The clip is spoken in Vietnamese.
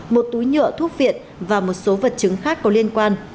một túi nhựa thuốc viện và một số vật chứng khác có liên quan